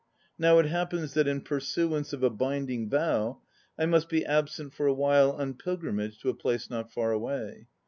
Now it happens that in pursuance of a binding vow I must be absent for a while on pilgrimage to a place not far away.